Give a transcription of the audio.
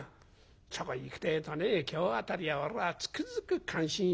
そこへいくってえとね今日辺りは俺はつくづく感心したよ。